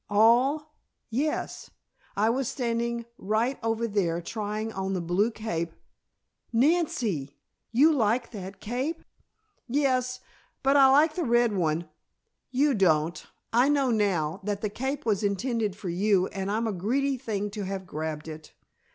"All?" "Yes. I was standing right over there trying on the blue cape " "Nancy! You liked that cape!" "Yes, but I like the red one " "You don't. I know now. That cape was intended for you and I'm a greedy thing to have grabbed it.